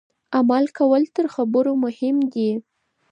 عمل کول تر خبرو مهم دي.